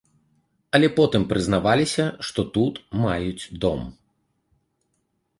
Але потым прызнаваліся, што тут маюць дом.